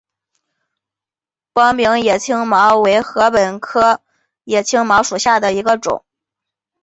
光柄野青茅为禾本科野青茅属下的一个种。